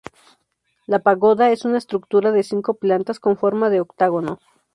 La Pagoda es una estructura de cinco plantas con forma de octágono.